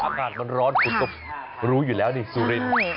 อากาศมันร้อนคุณก็รู้อยู่แล้วนี่สุรินทร์